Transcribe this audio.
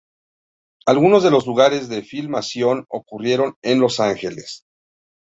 Algunos de los lugares de filmación ocurrieron en Los Ángeles.